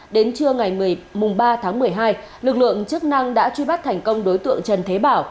đến trưa ngày ba tháng một mươi hai lực lượng chức năng đã truy bắt thành công đối tượng trần thế bảo